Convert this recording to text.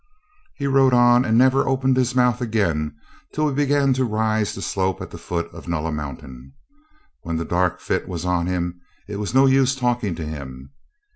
Here he rode on, and never opened his mouth again till we began to rise the slope at the foot of Nulla Mountain. When the dark fit was on him it was no use talking to him.